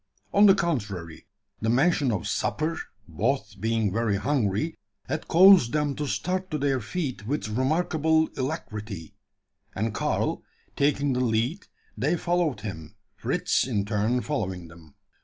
On the contrary, the mention of supper both being very hungry had caused them to start to their feet with remarkable alacrity; and Karl, taking the lead, they followed him, Fritz in turn following them.